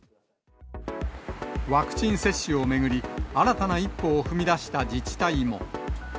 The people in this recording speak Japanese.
ワクチン接種を巡り、新たな一歩を踏み出した自治体も。